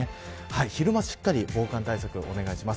昼間しっかり防寒対策をお願いします。